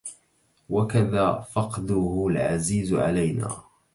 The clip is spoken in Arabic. وكذا فقدُه العزيزُ علينا